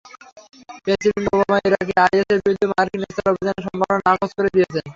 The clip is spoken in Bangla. প্রেসিডেন্ট ওবামা ইরাকে আইএসের বিরুদ্ধে মার্কিন স্থল অভিযানের সম্ভাবনা নাকচ করে দিয়েছেন।